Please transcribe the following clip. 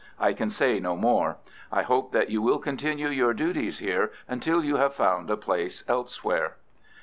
I can say no more. I hope that you will continue your duties here until you have found a place elsewhere."